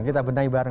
kita benahi bareng